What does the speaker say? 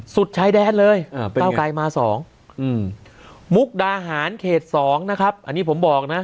ชายแดนเลยเก้าไกลมา๒มุกดาหารเขต๒นะครับอันนี้ผมบอกนะ